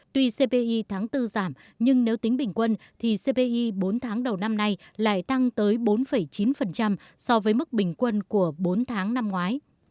tuy cpi tháng bốn giảm nhưng nếu tính bình quân thì cpi bốn tháng đầu năm nay lại tăng tới bốn chín so với mức bình quân của bốn tháng năm ngoái